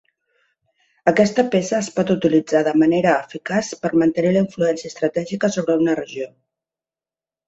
Aquesta peça es pot utilitzar de manera eficaç per mantenir la influència estratègica sobre una regió.